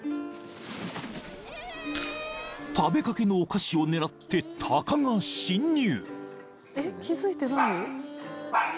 ［食べかけのお菓子を狙ってタカが侵入］